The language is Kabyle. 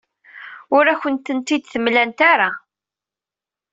Ur akent-tent-id-mlant ara.